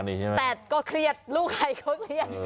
แต่ก็เครียดลูกใครก็เครียด